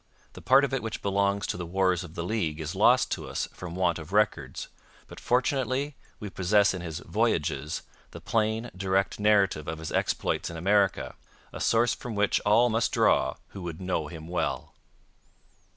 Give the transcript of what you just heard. The part of it which belongs to the Wars of the League is lost to us from want of records. But fortunately we possess in his Voyages the plain, direct narrative of his exploits in America a source from which all must draw who would know him well.